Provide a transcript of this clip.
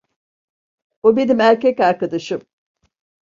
O benim erkek arkadaşım.